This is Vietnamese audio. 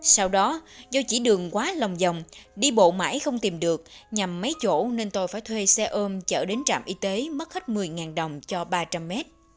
sau đó do chỉ đường quá lòng dòng đi bộ mãi không tìm được nhằm mấy chỗ nên tôi phải thuê xe ôm chở đến trạm y tế mất hết một mươi đồng cho ba trăm linh mét